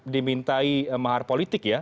dimintai mahar politik ya